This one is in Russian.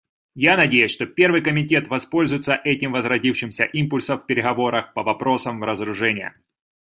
Я надеюсь, что Первый комитет воспользуется этим возродившимся импульсом в переговорах по вопросам разоружения.